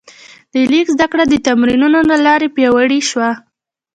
د لیک زده کړه د تمرینونو له لارې پیاوړې شوه.